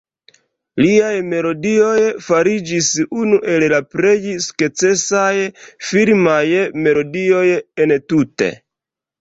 Liaj melodioj fariĝis unu el la plej sukcesaj filmaj melodioj entute.